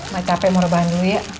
mak capek mau rebahan dulu ya